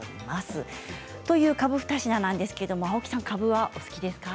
というかぶ２品ですけれど青木さん、かぶはお好きですか。